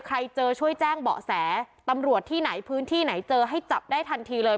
ใครเจอช่วยแจ้งเบาะแสตำรวจที่ไหนพื้นที่ไหนเจอให้จับได้ทันทีเลย